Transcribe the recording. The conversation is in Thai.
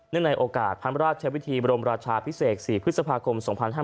นั่นในโอกาสพระราชเชฟวิทีบรมราชาพิเศษ๖พฤษภาคม๒๕๖๒